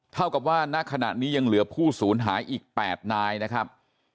เท่ากับว่าณขณะนี้ยังเหลือผู้สูญหายอีก๘นายนะครับ